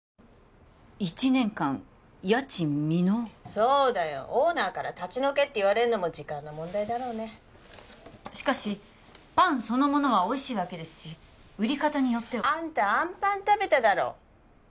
そうだよオーナーから「立ち退け」って言われるのも時間の問題だろうねしかしパンそのものはおいしいわけですし売り方によってはあんたあんぱん食べただろ？